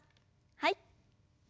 はい。